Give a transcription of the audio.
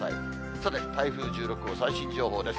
さて、台風１６号、最新情報です。